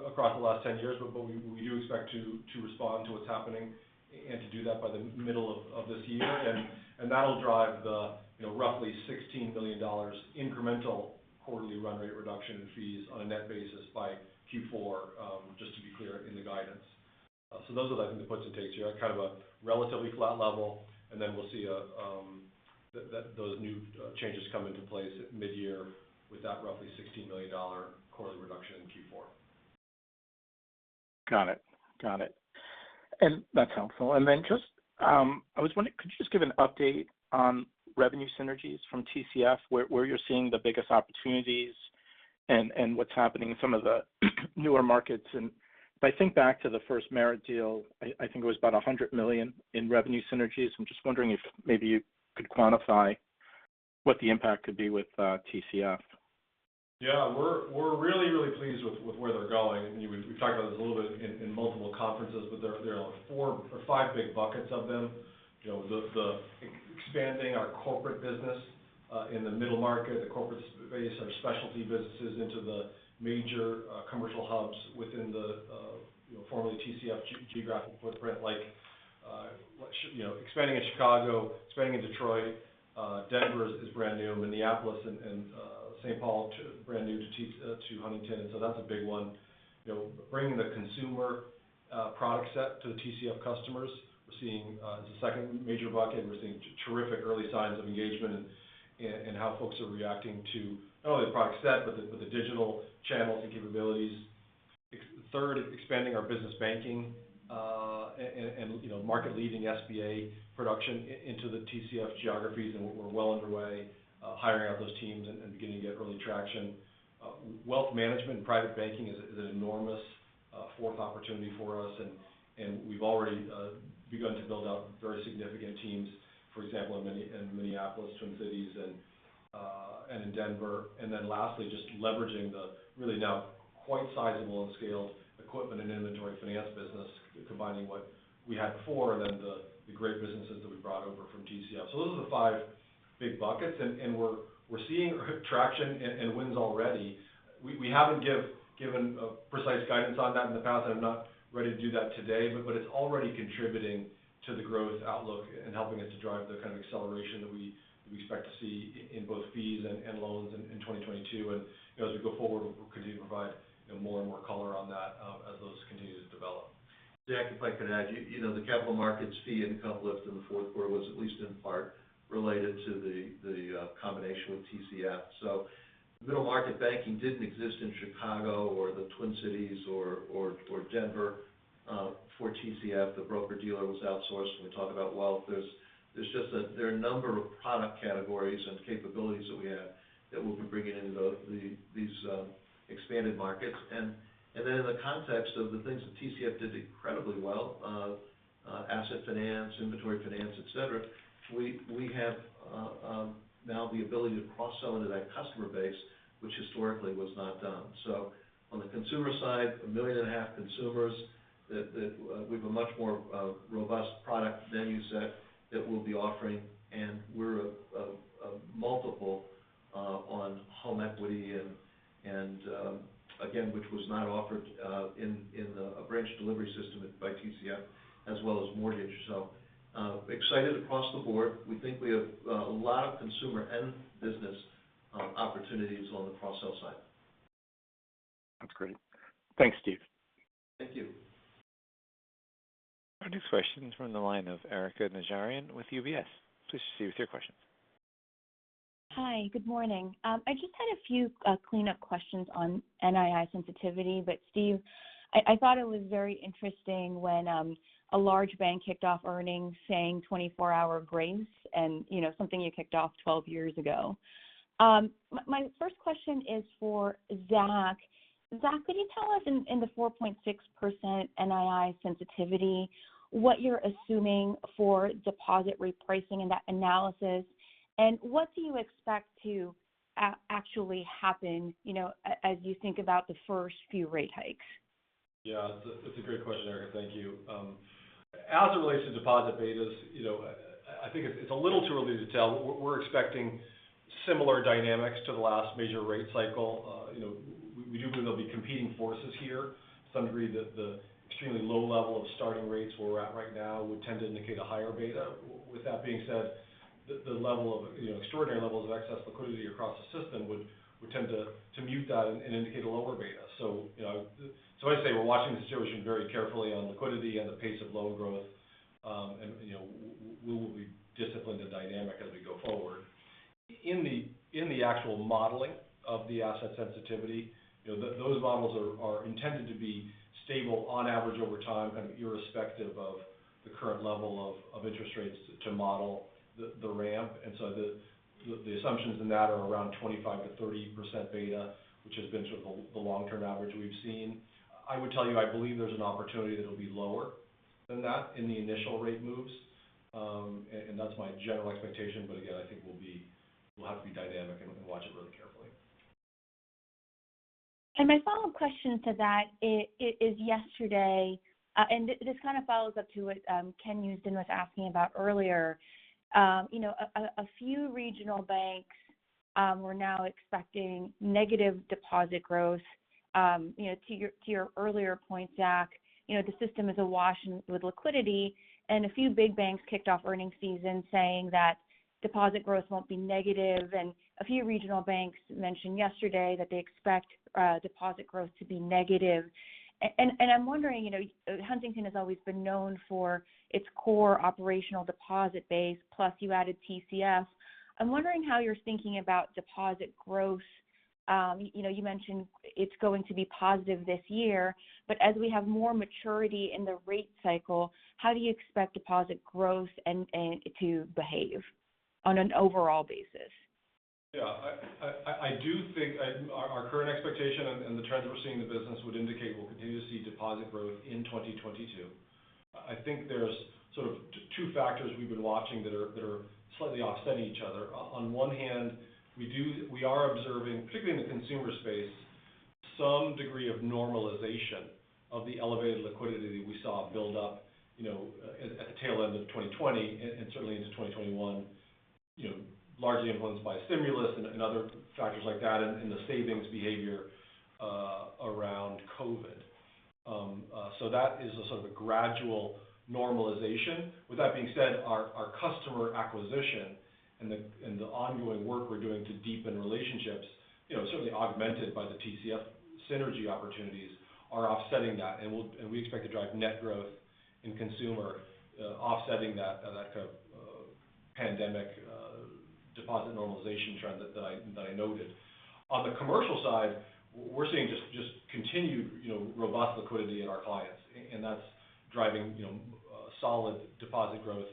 S4: across the last 10 years. We do expect to respond to what's happening and to do that by the middle of this year. That'll drive the, you know, roughly $16 billion incremental quarterly run rate reduction in fees on a net basis by Q4, just to be clear in the guidance. Those are, I think, the puts and takes. You have kind of a relatively flat level, and then we'll see those new changes come into place mid-year with that roughly $16 million quarterly reduction in Q4.
S11: Got it. That's helpful. Just, I was wondering, could you just give an update on revenue synergies from TCF, where you're seeing the biggest opportunities and what's happening in some of the newer markets? If I think back to the first FirstMerit deal, I think it was about $100 million in revenue synergies. I'm just wondering if maybe you could quantify what the impact could be with TCF.
S4: Yeah. We're really pleased with where they're going. I mean, we've talked about this a little bit in multiple conferences, but there are four or five big buckets of them. You know, the expanding our corporate business in the middle market, the corporate base, our specialty businesses into the major commercial hubs within the, you know, formerly TCF geographic footprint. Like, you know, expanding in Chicago, expanding in Detroit, Denver is brand new. Minneapolis and St. Paul too, brand new to Huntington. That's a big one. You know, bringing the consumer product set to the TCF customers. We're seeing as a second major bucket, and we're seeing terrific early signs of engagement and how folks are reacting to not only the product set, but the digital channels and capabilities. Third is expanding our business banking and you know market-leading SBA production into the TCF geographies. We're well underway hiring out those teams and beginning to get early traction. Wealth management and private banking is an enormous fourth opportunity for us. We've already begun to build out very significant teams, for example, in Minneapolis Twin Cities and in Denver. Then lastly, just leveraging the really now quite sizable and scaled equipment and inventory finance business, combining what we had before and then the great businesses that we brought over from TCF. Those are the five big buckets and we're seeing traction and wins already. We haven't given a precise guidance on that in the past, and I'm not ready to do that today. But it's already contributing to the growth outlook and helping us to drive the kind of acceleration that we expect to see in both fees and loans in 2022. You know, as we go forward, we'll continue to provide you know, more and more color on that, as those continue to develop.
S3: Zach, if I could add, you know, the capital markets fee income lift in the fourth quarter was at least in part related to the combination with TCF. Middle market banking didn't exist in Chicago or the Twin Cities or Denver for TCF. The broker-dealer was outsourced. When we talk about wealth, there's just that there are a number of product categories and capabilities that we have that we'll be bringing into these expanded markets. Then in the context of the things that TCF did incredibly well, asset finance, inventory finance, et cetera, we have now the ability to cross-sell into that customer base, which historically was not done. On the consumer side, 1.5 million consumers that we have a much more robust product venue set that we'll be offering, and we're a multiple on home equity and, again, which was not offered in a branch delivery system by TCF as well as mortgage. Excited across the board. We think we have a lot of consumer and business opportunities on the cross-sell side.
S12: That's great. Thanks, Steve.
S3: Thank you.
S1: Our next question's from the line of Erika Najarian with UBS. Please proceed with your question.
S13: Hi. Good morning. I just had a few cleanup questions on NII sensitivity. Steve, I thought it was very interesting when a large bank kicked off earnings saying 24-hour grace and, you know, something you kicked off 12 years ago. My first question is for Zach. Zach, could you tell us in the 4.6% NII sensitivity, what you're assuming for deposit repricing in that analysis, and what do you expect to actually happen, you know, as you think about the first few rate hikes?
S4: Yeah, that's a great question, Erika. Thank you. As it relates to deposit betas, you know, I think it's a little too early to tell. We're expecting similar dynamics to the last major rate cycle. You know, we do believe there'll be competing forces here. To some degree, the extremely low level of starting rates where we're at right now would tend to indicate a higher beta. With that being said, the level of, you know, extraordinary levels of excess liquidity across the system would tend to mute that and indicate a lower beta. You know, I'd say we're watching the situation very carefully on liquidity and the pace of loan growth. You know, we will be disciplined and dynamic as we go forward. In the actual modeling of the asset sensitivity, you know, those models are intended to be stable on average over time, kind of irrespective of the current level of interest rates to model the ramp. The assumptions in that are around 25%-30% beta, which has been sort of the long-term average we've seen. I would tell you, I believe there's an opportunity that it'll be lower than that in the initial rate moves. That's my general expectation. Again, I think we'll have to be dynamic and watch it really carefully.
S13: My follow-up question to that is yesterday. This kind of follows up to what Ken Usdin was asking about earlier. You know, a few regional banks were now expecting negative deposit growth. You know, to your earlier point, Zach, you know, the system is awash with liquidity, and a few big banks kicked off earnings season saying that deposit growth won't be negative. A few regional banks mentioned yesterday that they expect deposit growth to be negative. I'm wondering, you know, Huntington has always been known for its core operational deposit base, plus you added TCF. I'm wondering how you're thinking about deposit growth. You know, you mentioned it's going to be positive this year, but as we have more maturity in the rate cycle, how do you expect deposit growth and to behave on an overall basis?
S4: Yeah. I do think our current expectation and the trends we're seeing in the business would indicate we'll continue to see deposit growth in 2022. I think there's sort of two factors we've been watching that are slightly offsetting each other. On one hand, we are observing, particularly in the consumer space, some degree of normalization of the elevated liquidity we saw build up, you know, at the tail end of 2020 and certainly into 2021, you know, largely influenced by stimulus and other factors like that and the savings behavior around COVID. So that is a sort of a gradual normalization. With that being said, our customer acquisition and the ongoing work we're doing to deepen relationships, you know, certainly augmented by the TCF synergy opportunities are offsetting that. We expect to drive net growth in consumer, offsetting that kind of pandemic deposit normalization trend that I noted. On the commercial side, we're seeing just continued, you know, robust liquidity in our clients, and that's driving, you know, solid deposit growth.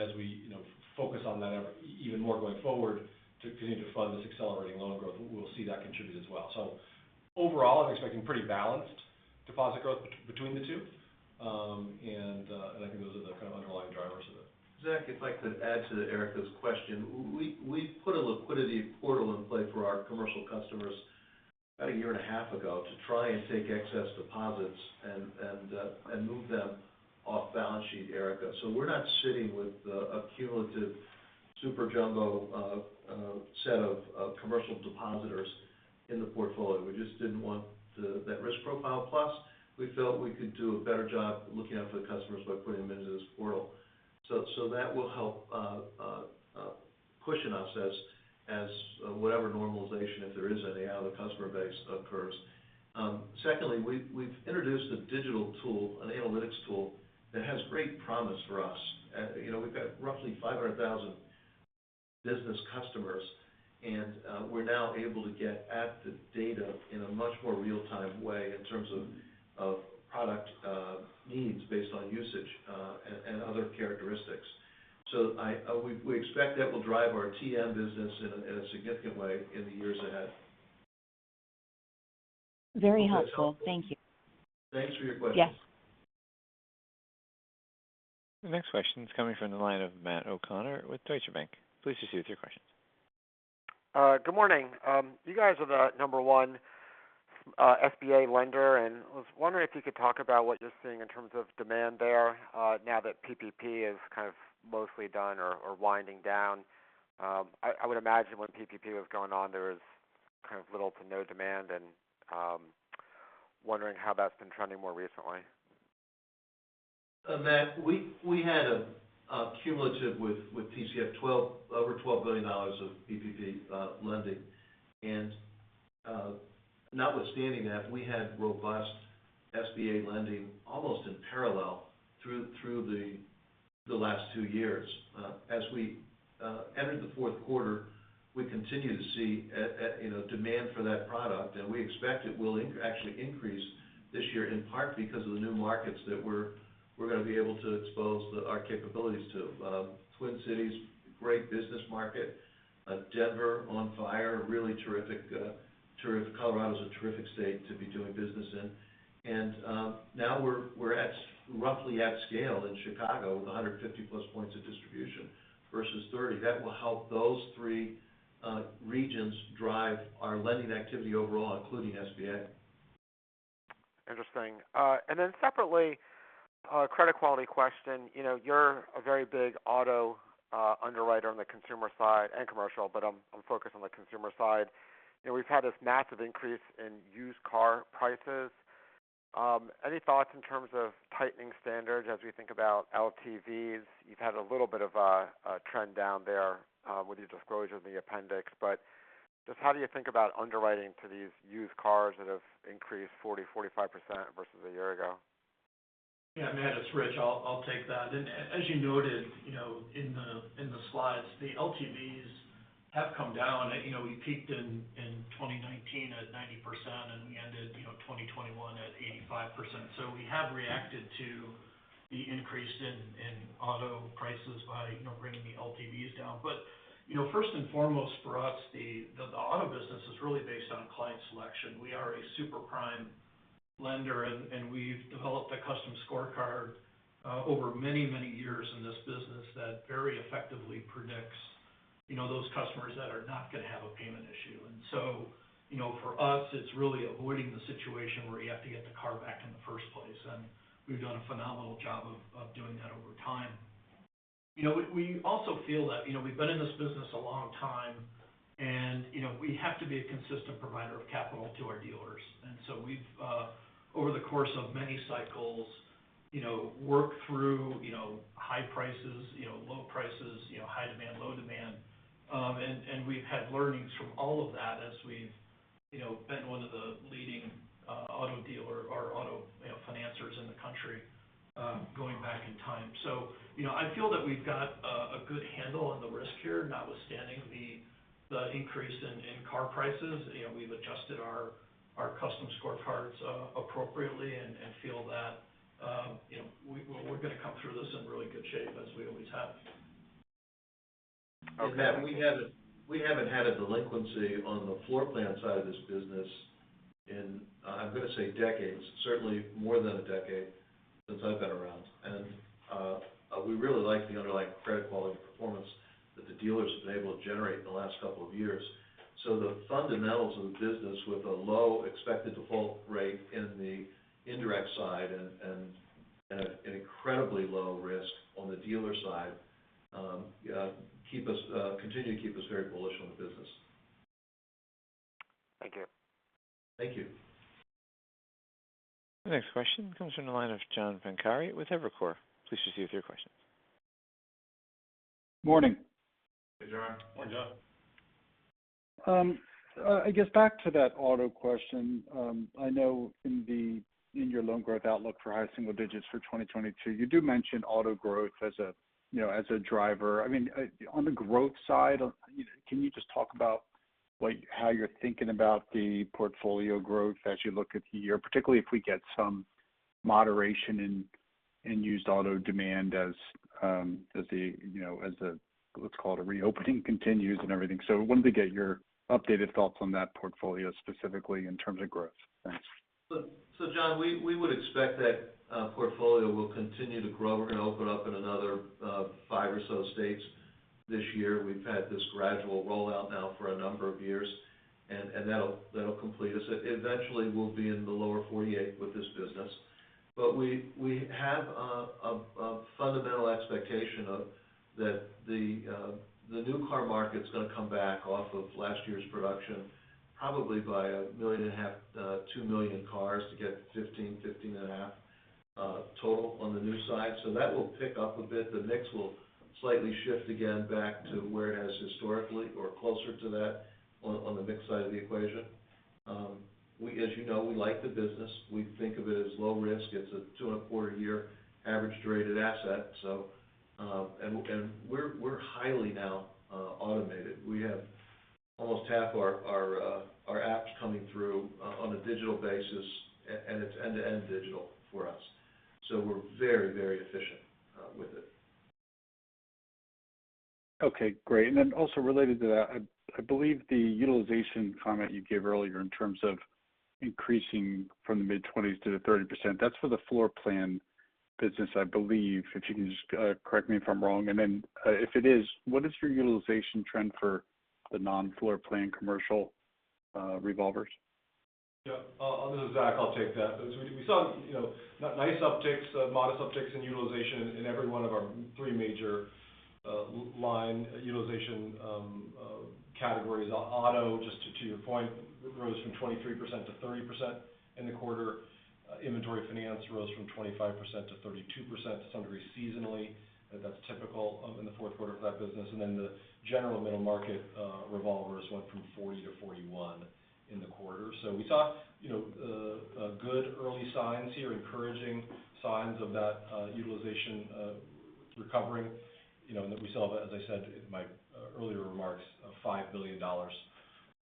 S4: As we, you know, focus on that even more going forward to continue to fund this accelerating loan growth, we'll see that contribute as well. Overall, I'm expecting pretty balanced deposit growth between the two. I think those are the kind of underlying drivers of it.
S3: Zach, if I could add to Erika's question. We put a liquidity portal in play for our commercial customers about a year and a half ago to try and take excess deposits and move them off balance sheet, Erika. So we're not sitting with a cumulative super jumbo set of commercial depositors in the portfolio. We just didn't want that risk profile. Plus, we felt we could do a better job looking out for the customers by putting them into this portal. So that will help cushion us as whatever normalization, if there is any, out of the customer base occurs. Secondly, we've introduced a digital tool, an analytics tool that has great promise for us. You know, we've got roughly 500,000 business customers. We're now able to get at the data in a much more real-time way in terms of product needs based on usage and other characteristics. We expect that will drive our TM business in a significant way in the years ahead.
S13: Very helpful. Thank you.
S3: Thanks for your question.
S14: Yes.
S1: The next question is coming from the line of Matt O'Connor with Deutsche Bank. Please proceed with your questions.
S15: Good morning. You guys are the number one SBA lender, and I was wondering if you could talk about what you're seeing in terms of demand there, now that PPP is kind of mostly done or winding down. I would imagine when PPP was going on, there was kind of little to no demand and wondering how that's been trending more recently.
S3: Matt, we had a cumulative with TCF over $12 billion of PPP lending. Notwithstanding that, we had robust SBA lending almost in parallel through the last two years. As we enter the fourth quarter, we continue to see a, you know, demand for that product, and we expect it will actually increase this year, in part because of the new markets that we're gonna be able to expose our capabilities to. Twin Cities, great business market. Denver on fire, really terrific. Colorado's a terrific state to be doing business in. Now we're roughly at scale in Chicago with 150+ points of distribution versus 30. That will help those three regions drive our lending activity overall, including SBA.
S15: Interesting. Then separately, credit quality question. You know, you're a very big auto underwriter on the consumer side and commercial, but I'm focused on the consumer side. You know, we've had this massive increase in used car prices. Any thoughts in terms of tightening standards as we think about LTVs? You've had a little bit of a trend down there, with your disclosure in the appendix. Just how do you think about underwriting to these used cars that have increased 40%-45% versus a year ago?
S10: Yeah, Matt, it's Rich. I'll take that. As you noted, you know, in the slides, the LTVs have come down. You know, we peaked in 2019 at 90% and we ended, you know, 2021 at 85%. We have reacted to the increase in auto prices by, you know, bringing the LTVs down. You know, first and foremost for us, the auto business is really based on client selection. We are a super prime lender and we've developed a custom scorecard over many years in this business that very effectively predicts, you know, those customers that are not gonna have a payment issue. You know, for us, it's really avoiding the situation where you have to get the car back in the first place, and we've done a phenomenal job of doing that over time. You know, we also feel that, you know, we've been in this business a long time and, you know, we have to be a consistent provider of capital to our dealers. We've over the course of many cycles, you know, worked through, you know, high prices, you know, low prices, you know, high demand, low demand. We've had learnings from all of that as we've, you know, been one of the leading auto dealer or auto financers in the country, going back in time. You know, I feel that we've got a good handle on the risk here, notwithstanding the increase in car prices. You know, we've adjusted our custom scorecards appropriately and feel that, you know, we're gonna come through this in really good shape as we always have.
S15: Okay.
S3: Matt, we haven't had a delinquency on the floor plan side of this business in, I'm gonna say decades, certainly more than a decade since I've been around. We really like the underlying credit quality performance that the dealers have been able to generate in the last couple of years. The fundamentals of the business with a low expected default rate in the indirect side and an incredibly low risk on the dealer side continue to keep us very bullish on the business.
S15: Thank you.
S3: Thank you.
S1: The next question comes from the line of John Pancari with Evercore. Please proceed with your question.
S12: Morning.
S3: Hey, John.
S10: Morning, John.
S12: I guess back to that auto question. I know in your loan growth outlook for high single digits for 2022, you do mention auto growth as a, you know, as a driver. I mean, on the growth side. Can you just talk about how you're thinking about the portfolio growth as you look at the year, particularly if we get some moderation in used auto demand as the, you know, as the, let's call it a reopening continues and everything. I wanted to get your updated thoughts on that portfolio specifically in terms of growth. Thanks.
S3: John, we would expect that portfolio will continue to grow. We're gonna open up in another 5 or so states this year. We've had this gradual rollout now for a number of years, and that'll complete us. Eventually, we'll be in the lower 48 with this business. We have a fundamental expectation that the new car market's gonna come back off of last year's production probably by 1.5-2 million cars to get 15-15.5 total on the new side. That will pick up a bit. The mix will slightly shift again back to where it has historically or closer to that on the mix side of the equation. As you know, we like the business. We think of it as low risk. It's a 2.25-year average duration asset. We're highly now automated. We have almost half our apps coming through on a digital basis, and it's end-to-end digital for us. We're very efficient with it.
S12: Okay, great. Then also related to that, I believe the utilization comment you gave earlier in terms of increasing from the mid-20s to the 30%, that's for the floor plan business, I believe. If you can just correct me if I'm wrong. If it is, what is your utilization trend for the non-floor plan commercial revolvers?
S4: Yeah. This is Zach, I'll take that. We saw, you know, nice upticks, modest upticks in utilization in every one of our three major line utilization categories. Auto just to your point, rose from 23% to 30% in the quarter. Inventory finance rose from 25% to 32%. To some degree seasonally, but that's typical in the fourth quarter for that business. The general middle market revolvers went from 40% to 41% in the quarter. We saw, you know, a good early signs here, encouraging signs of that utilization recovering. You know, that we saw, as I said in my earlier remarks, $5 billion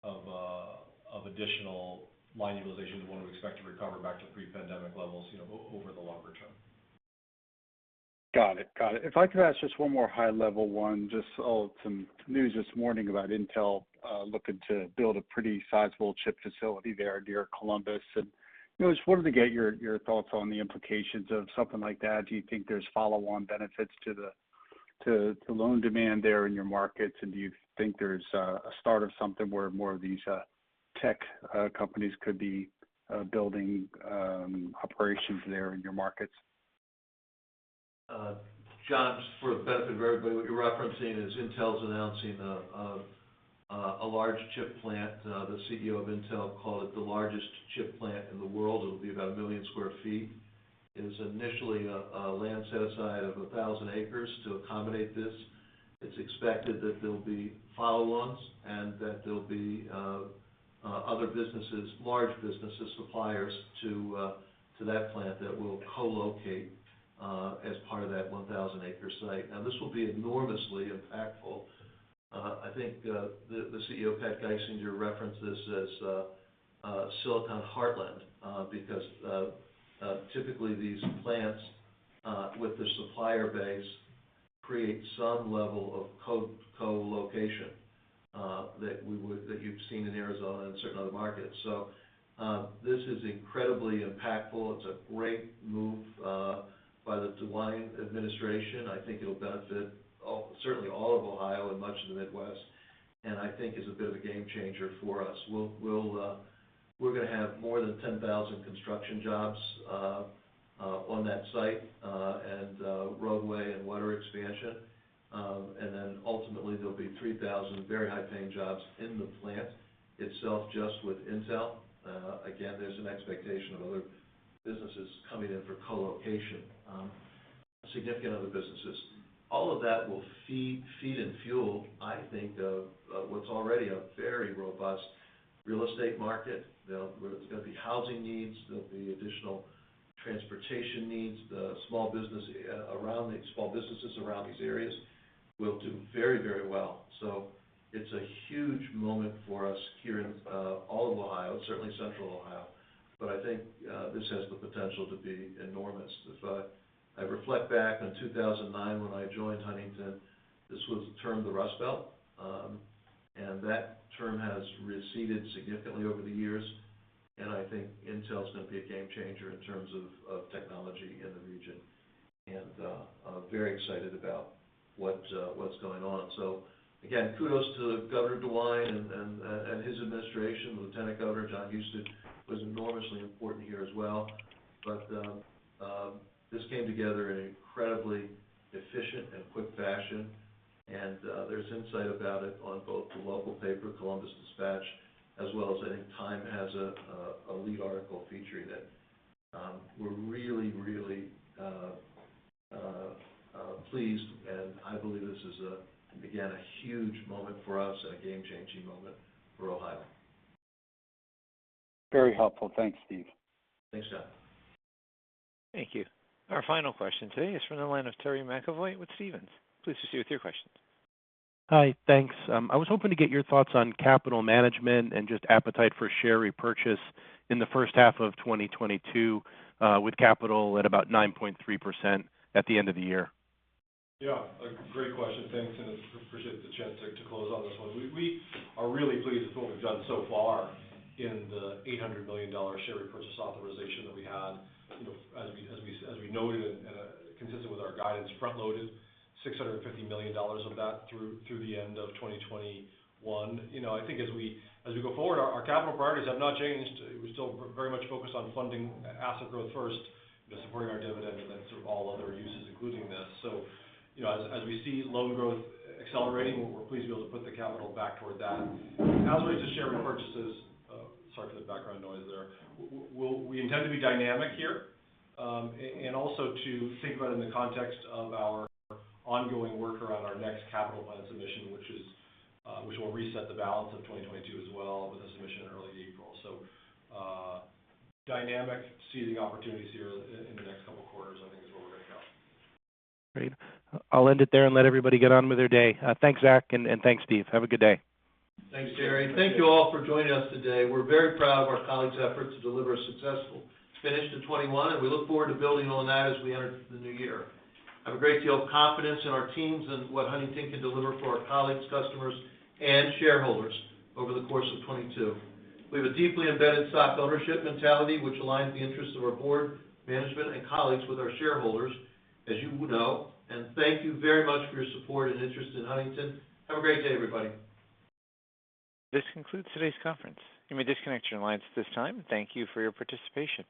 S4: of additional line utilization we wanna expect to recover back to pre-pandemic levels, you know, over the longer term.
S12: Got it. If I could ask just one more high level one. Just saw some news this morning about Intel looking to build a pretty sizable chip facility there near Columbus. You know, just wanted to get your thoughts on the implications of something like that. Do you think there's follow-on benefits to the loan demand there in your markets? Do you think there's a start of something where more of these tech companies could be building operations there in your markets?
S3: John, just for the benefit of everybody, what you're referencing is Intel's announcing a large chip plant. The CEO of Intel called it the largest chip plant in the world. It'll be about 1 million sq ft. It is initially a land set aside of 1,000 acres to accommodate this. It's expected that there'll be follow-ons and that there'll be other businesses, large businesses, suppliers to that plant that will co-locate as part of that 1,000-acre site. Now, this will be enormously impactful. I think the CEO, Pat Gelsinger, referenced this as a Silicon Heartland because typically these plants with their supplier base create some level of co-colocation that you've seen in Arizona and certain other markets. This is incredibly impactful. It's a great move by the DeWine administration. I think it'll benefit certainly all of Ohio and much of the Midwest, and I think it's a bit of a game changer for us. We're gonna have more than 10,000 construction jobs on that site, and roadway and water expansion. And then ultimately, there'll be 3,000 very high-paying jobs in the plant itself just with Intel. Again, there's an expectation of other businesses coming in for colocation, significant other businesses. All of that will feed and fuel, I think, what's already a very robust real estate market. Where there's gonna be housing needs, there'll be additional transportation needs. The small businesses around these areas will do very, very well. It's a huge moment for us here in all of Ohio, certainly central Ohio. I think this has the potential to be enormous. If I reflect back on 2009 when I joined Huntington, this was termed the Rust Belt. That term has receded significantly over the years, and I think Intel's gonna be a game changer in terms of technology in the region. I'm very excited about what's going on. Again, kudos to Governor DeWine and his administration. Lieutenant Governor Jon Husted was enormously important here as well. This came together in an incredibly efficient and quick fashion, and there's insight about it on both the local paper, Columbus Dispatch, as well as I think TIME has a lead article featuring it. We're really pleased and I believe this is, again, a huge moment for us and a game-changing moment for Ohio.
S12: Very helpful. Thanks, Steve.
S3: Thanks, John.
S1: Thank you. Our final question today is from the line of Terry McEvoy with Stephens. Please proceed with your question.
S16: Hi. Thanks. I was hoping to get your thoughts on capital management and just appetite for share repurchase in the first half of 2022, with capital at about 9.3% at the end of the year.
S4: Yeah. A great question. Thanks. Appreciate the chance to close on this one. We are really pleased with what we've done so far in the $800 million share repurchase authorization that we had. You know, as we noted and consistent with our guidance, front-loaded $650 million of that through the end of 2021. You know, I think as we go forward, our capital priorities have not changed. We're still very much focused on funding asset growth first, then supporting our dividend, and then sort of all other uses including this. You know, as we see loan growth accelerating, we're pleased to be able to put the capital back toward that. As it relates to share repurchases. Oh, sorry for the background noise there. We intend to be dynamic here, and also to think about in the context of our ongoing work around our next capital plan submission, which will reset the balance of 2022 as well, with a submission in early April. Dynamic, seeing opportunities here in the next couple quarters, I think is where we're gonna go.
S16: Great. I'll end it there and let everybody get on with their day. Thanks, Zach, and thanks, Steve. Have a good day.
S3: Thanks, Terry. Thank you all for joining us today. We're very proud of our colleagues' efforts to deliver a successful finish to 2021, and we look forward to building on that as we enter the new year. I have a great deal of confidence in our teams and what Huntington can deliver for our colleagues, customers, and shareholders over the course of 2022. We have a deeply embedded stock ownership mentality, which aligns the interests of our board, management, and colleagues with our shareholders, as you know, and thank you very much for your support and interest in Huntington. Have a great day, everybody.
S1: This concludes today's conference. You may disconnect your lines at this time. Thank you for your participation.